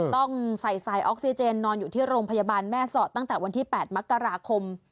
ต้องใส่สายออกซิเจนนอนอยู่ที่โรงพยาบาลแม่สอดตั้งแต่วันที่๘มกราคม